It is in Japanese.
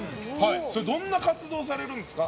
どんな活動をされるんですか？